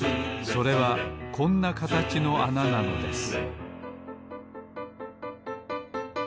それはこんなかたちのあななのです